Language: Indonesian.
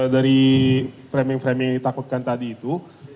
dari framing framing yang ditakutkan tadi itu